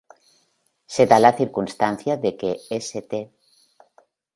Se da la circunstancia de que St.